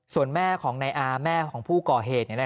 ส่วนแม่ของนายอาแม่ของผู้ก่อเหตุ